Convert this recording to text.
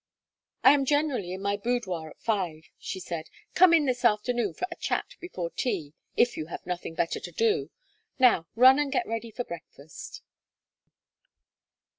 "I am generally in my boudoir at five," she said. "Come in this afternoon for a chat before tea, if you have nothing better to do. Now run and get ready for breakfast."